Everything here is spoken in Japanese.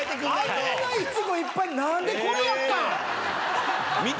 あんなイチゴいっぱい何でこれやったん？